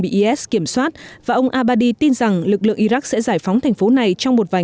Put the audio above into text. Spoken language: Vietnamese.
bị is kiểm soát và ông abbadi tin rằng lực lượng iraq sẽ giải phóng thành phố này trong một vài